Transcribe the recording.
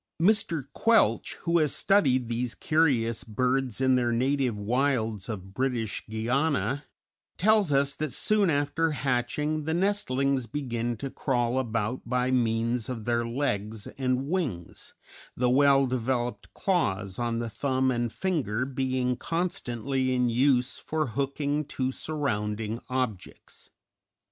Mr. Quelch, who has studied these curious birds in their native wilds of British Guiana, tells us that soon after hatching, the nestlings begin to crawl about by means of their legs and wings, the well developed claws on the thumb and finger being constantly in use for hooking to surrounding objects.